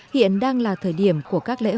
hiện đang là thời điểm của các lễ hội